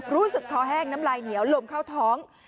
รู้สึกคอแห้งน้ำลายเหนียวลมเข้าท้อง